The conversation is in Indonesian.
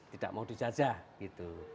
tidak mau dijajah gitu